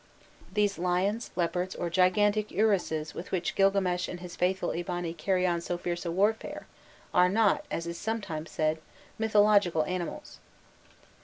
These lions, leopards, or gigantic uruses with which Grilgames and his faithful Eabani carry on so fierce a warfare, are not, as is sometimes said, mythological animals.